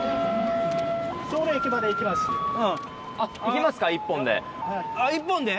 あっ行きますか１本で。